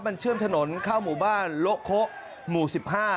มันเชื่อมถนนเข้ามุบ้านโร๊ะโคหมู่สิบห้า